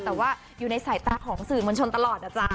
แต่ว่าอยู่ในสายตาของสื่อมวลชนตลอดนะจ๊ะ